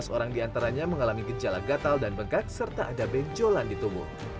delapan belas orang di antaranya mengalami gejala gatal dan begat serta ada bencolan di tubuh